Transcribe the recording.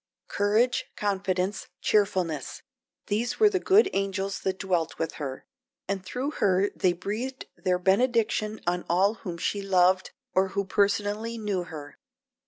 Courage, confidence, cheerfulness these were the good angels that dwelt with her, and through her they breathed their benediction on all whom she loved or who personally knew her.